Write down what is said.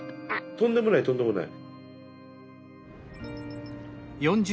とんでもないとんでもない。